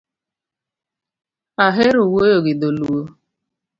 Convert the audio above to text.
Ahero wuoyo gi dholuo